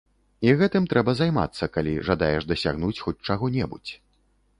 І гэтым трэба займацца, калі жадаеш дасягнуць хоць чаго-небудзь.